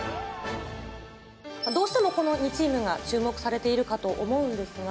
どうしてもこの２チームが注目されているかと思うんですが。